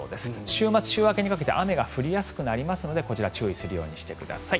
週末、週明けにかけて雨が降りやすくなりますのでこちら注意するようにしてください。